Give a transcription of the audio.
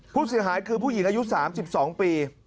ผู้เสียหายคือผู้หญิงอายุ๓๒ปี